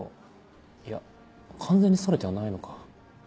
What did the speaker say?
いや完全にそれてはないのか。